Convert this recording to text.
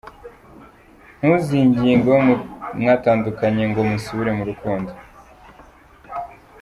Ntuzinginge uwo mwatandukanye ngo musubire mu rukundo.